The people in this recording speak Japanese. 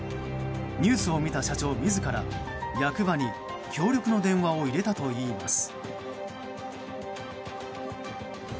ニュースを見た社長自ら、役場に協力の電話を入れたといいます。